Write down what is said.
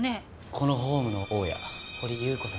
このホームの大家掘祐子さんです。